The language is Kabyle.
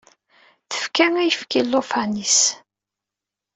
Tefka ayefki i ulufan-is.